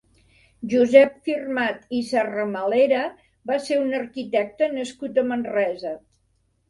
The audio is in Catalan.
Josep Firmat i Serramalera va ser un arquitecte nascut a Manresa.